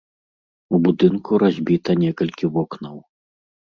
У будынку разбіта некалькі вокнаў.